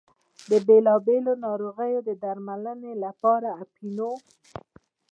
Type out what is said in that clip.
د بېلا بېلو ناروغیو د درملنې لپاره اپینو.